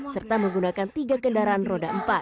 serta menggunakan tiga kendaraan roda empat